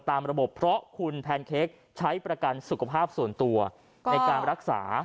ตามระบบเพราะคุณแพนเค้กใช้ประกันสุขภาพส่วนตัวในการรักษา